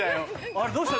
あれどうした？